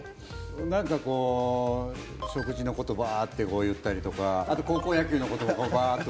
なんかこう食事のことバッて言ったりとかあと高校野球のことバッと。